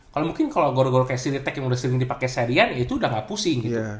kalau mungkin gor gor kayak seri tech yang udah sering dipakai serian ya itu udah gak pusing gitu